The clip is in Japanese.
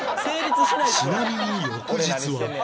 ちなみに翌日は